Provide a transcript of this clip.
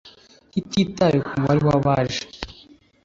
hatitawe ku mubare w abaje